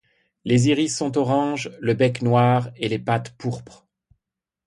Les iris sont orange, le bec noir et les pattes pourpres.